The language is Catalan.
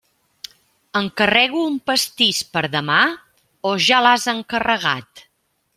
Encarrego un pastís per demà o ja l'has encarregat?